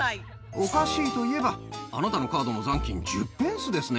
おかしいといえば、あなたのカードの残金１０ペンスですね。